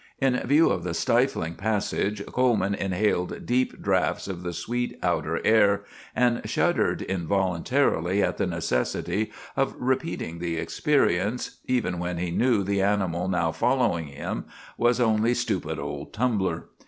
In view of the stifling passage, Coleman inhaled deep drafts of the sweet outer air, and shuddered involuntarily at the necessity of repeating the experience, even when he knew the animal now following him was only stupid old Tumbler.